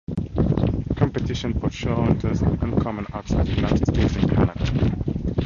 Competitions for show hunters are uncommon outside the United States and Canada.